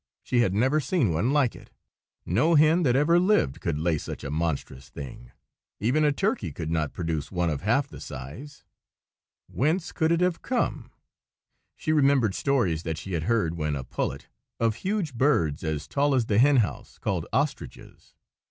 She had never seen one like it. No hen that ever lived could lay such a monstrous thing; even a turkey could not produce one of half the size. Whence could it have come? She remembered stories that she had heard, when a pullet, of huge birds as tall as the hen house, called ostriches.